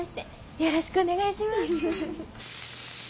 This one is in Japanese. よろしくお願いします。